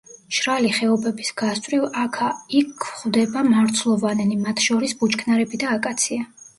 მშრალი ხეობების გასწვრივ აქა-იქ გვხვდება მარცვლოვანნი, მათ შორის ბუჩქნარები და აკაცია.